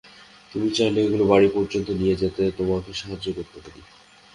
তুমি চাইলে, এগুলো বাড়ি পর্যন্ত নিয়ে যেতে তোমাকে সাহায্য করতে পারি।